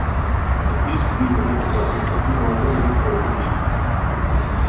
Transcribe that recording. It used to be the headquarters of the old Ezzikwo Division.